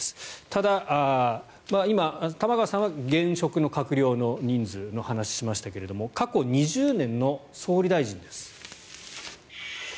ただ、今、玉川さんは現職の閣僚の人数の話をしましたが過去２０年の総理大臣です。